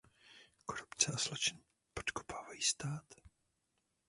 Korupce a zločin podkopávají stát.